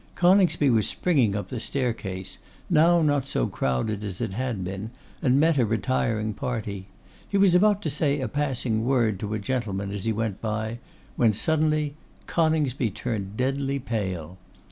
Coningsby was springing up the staircase, now not so crowded as it had been, and met a retiring party; he was about to say a passing word to a gentleman as he went by, when, suddenly, Coningsby turned deadly pale.